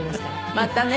またね。